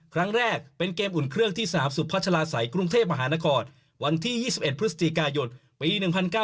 ครั้งแรกเป็นเกมอุ่นเครื่องที่สนามสุพัชลาศัยกรุงเทพมหานครวันที่๒๑พฤศจิกายนปี๑๙